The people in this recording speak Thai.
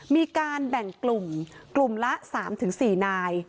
มีการแบ่งกลุ่มกลุ่มละ๓๔นาย